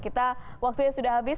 kita waktunya sudah habis